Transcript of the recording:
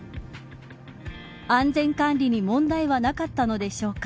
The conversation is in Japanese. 安全管理に問題はなかったのでしょうか。